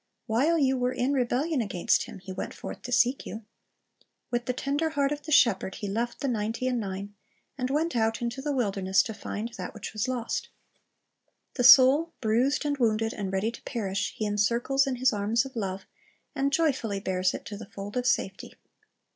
While you were in rebelHon against Him, He went forth to seek you. With the tender heart of the shepherd He left the ninety and nine, and w^ent out into the wilderness to find that which was lost. The soul, bruised and wounded and ready to perish. He encircles in His arms of love, and joyfully bears it to the fold of safety.